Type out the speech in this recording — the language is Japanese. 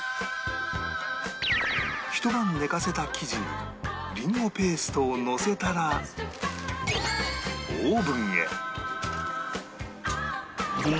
ひと晩寝かせた生地にりんごペーストをのせたらオーブンへ